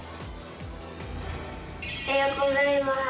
おはようございます。